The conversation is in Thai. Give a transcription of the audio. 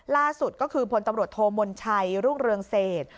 ล่าสุดก็คือพลตำรวจโทมนชัยรุ่งเรืองเศษ